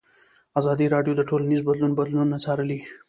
ازادي راډیو د ټولنیز بدلون بدلونونه څارلي.